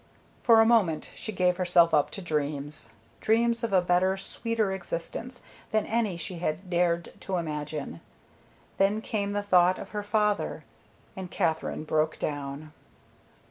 For a moment she gave herself up to dreams, dreams of a better, sweeter existence than any she had dared to imagine, then came the thought of her father, and Katherine broke down.